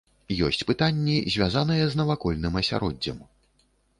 Ёсць пытанні, звязаныя з навакольным асяроддзем.